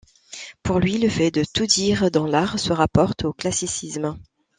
Pour lui le fait de tout dire dans l'art, se rapporte au classicisme.